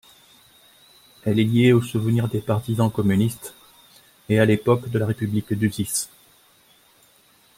Elle est liée au souvenir des Partisans communistes, à l'époque de la République d'Užice.